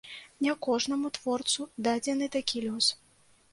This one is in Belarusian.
Не кожнаму творцу дадзены такі лёс.